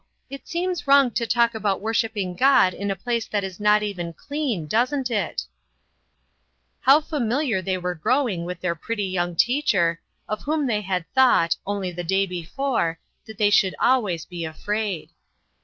It seems wrong to talk about worshipping God in a place that is not even clean, doesn't it ?" How familiar they were growing with their pretty young teacher, of whom they had thought, only the day before, that they should always be afraid.